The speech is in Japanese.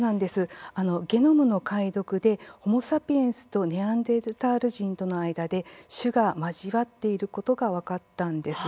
ゲノムの解読でホモ・サピエンスとネアンデルタール人との間で種が交わっていることが分かったんです。